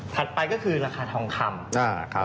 ไปก็คือราคาทองคำ